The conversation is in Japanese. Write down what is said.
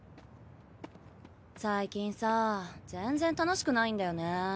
最近さぁ全然楽しくないんだよね。